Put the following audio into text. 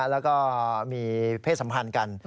แล้วก็มีเพศสัมพันธ์กัน